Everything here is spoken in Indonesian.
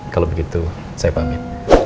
kalau begitu saya pamit